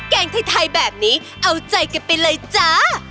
แกงไทยแบบนี้เอาใจกันไปเลยจ้า